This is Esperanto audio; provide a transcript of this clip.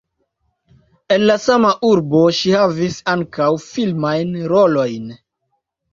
En la sama urbo ŝi havis ankaŭ filmajn rolojn.